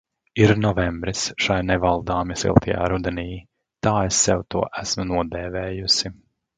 Ir novembris šai nevaldāmi siltajā rudenī – tā es sev to esmu nodēvējusi.